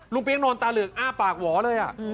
เปี๊ยกนอนตาเหลือกอ้าปากหวอเลย